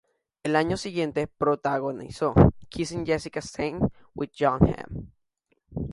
El año siguiente protagonizó "Kissing Jessica Stein" with Jon Hamm.